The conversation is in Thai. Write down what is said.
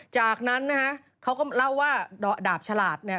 จากนั้นนะฮะเขาก็เล่าว่าดาบฉลาดเนี่ย